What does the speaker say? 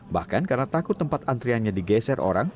bahkan karena takut tempat antriannya digeser orang